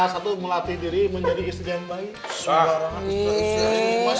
satu melatih diri menjadi istri yang baik